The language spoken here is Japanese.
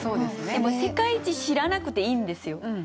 でも世界一知らなくていいんですよ。